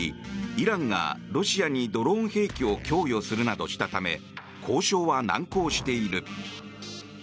イランがロシアにドローン兵器を供与するなどしたため交渉は難航している。